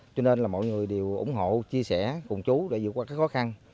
cho nên mọi người đều ủng hộ chia sẻ cùng chú để dựa qua các khó khăn